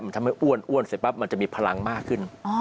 ทำให้อ้วนเสร็จปั๊บมันจะมีพลังมากขึ้น